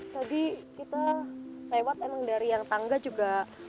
tadi kita lewat emang dari yang tangga juga